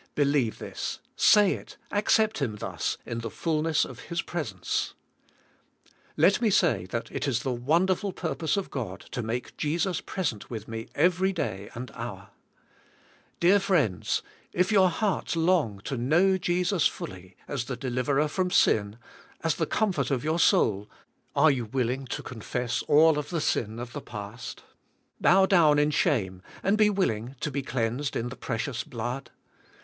Believe this, say it, accept Him thus, in the fulness of His presence. Let me say that it is the wonderful purpose of God to make Jesus present with me every day and hour. Dear friends, if your hearts long to know Jesus fully as the Deliverer from sin, as the comfort of your soul, are you willing" to confess all of the sin of the past, bow down in shame, and be willing" to be cleansed in the precious blood?